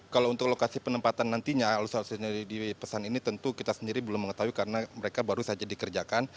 kalau untuk lokasi penempatan nantinya alutsista sendiri dipesan ini tentu kita sendiri belum mengetahui karena mereka baru saja dikerjakan